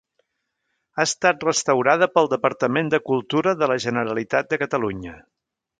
Ha estat restaurada pel Departament de Cultura de la Generalitat de Catalunya.